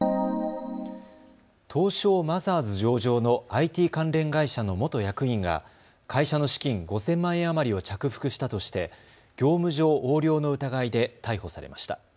東証マザーズ上場のＩＴ関連会社の元役員が会社の資金５０００万円余りを着服したとして業務上横領の疑いで逮捕されました。